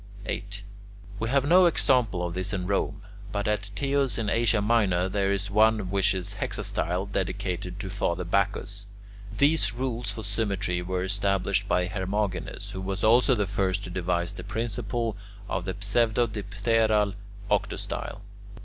8. We have no example of this in Rome, but at Teos in Asia Minor there is one which is hexastyle, dedicated to Father Bacchus. These rules for symmetry were established by Hermogenes, who was also the first to devise the principle of the pseudodipteral octastyle.